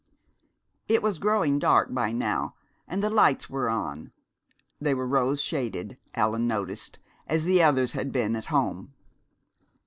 It was growing dark by now, and the lights were on. They were rose shaded, Allan noticed, as the others had been at home.